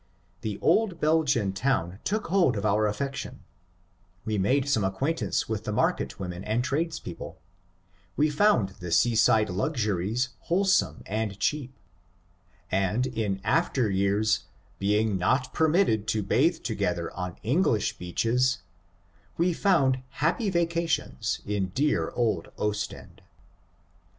The old Belgian town took hold of our affection ; we made some acquaintance with the market women and tradespeople ; we found the seaside luxuries wholesome and cheap ; and in after years, being not permitted to bathe together on English beaches, we found happy vacations in dear old Ostend.